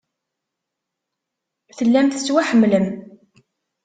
Tellam tettwaḥemmlem.